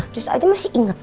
justru aja masih ingat